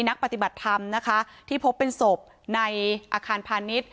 นักปฏิบัติธรรมนะคะที่พบเป็นศพในอาคารพาณิชย์